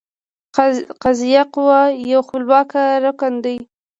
قضائیه قوه یو خپلواکه رکن دی.